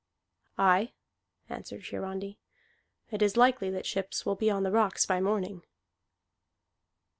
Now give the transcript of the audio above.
"Aye," answered Hiarandi, "it is likely that ships will be on the rocks by morning.